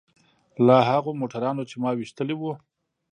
له هغو موټرانو چې ما ويشتلي وو.